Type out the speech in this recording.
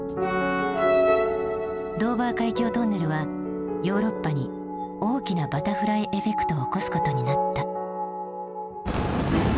ドーバー海峡トンネルはヨーロッパに大きな「バタフライエフェクト」を起こすことになった。